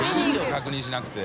確認しなくて。